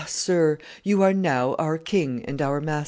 sir, you are now our king and our master."